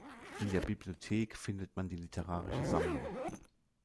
In der Bibliothek findet man die literarische Sammlung.